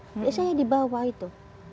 jadi saya dibawa itu